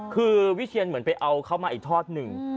คือวิเชียนเหมือนไปเอาเขามาอีกทอดหนึ่ง